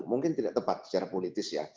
mungkin tidak tepat secara politis ya